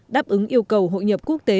đáp ứng yêu cầu hội nhập quốc tế